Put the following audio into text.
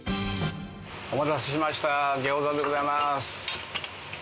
お待たせしました餃子でございます。